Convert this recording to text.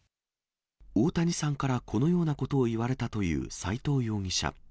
大谷さんからこのようなことを言われたという斎藤容疑者。